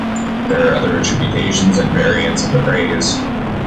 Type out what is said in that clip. There are other attributions, and variants of the phrase.